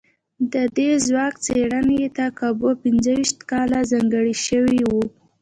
د دې ځواک څېړنې ته کابو پينځو ويشت کاله ځانګړي شوي وو.